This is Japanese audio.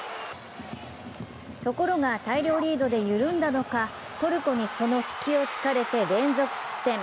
ところが大量リードで緩んだのか、トルコにその隙を突かれて連続失点。